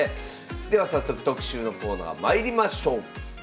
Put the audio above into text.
では早速特集のコーナーまいりましょう。